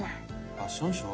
ファッションショー？